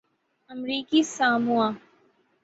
امریکی ساموآ